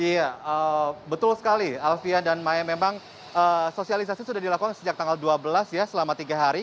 iya betul sekali alfian dan maya memang sosialisasi sudah dilakukan sejak tanggal dua belas ya selama tiga hari